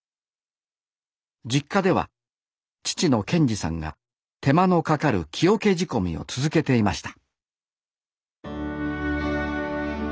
実家では父の健司さんが手間のかかる木桶仕込みを続けていました